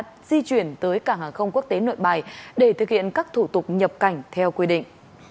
các cán bộ nhân viên đã di chuyển tới cảng hàng không quốc tế nội bài để thực hiện các thủ tục nhập cảnh theo quy định